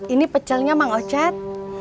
ini pecelnya mang ocet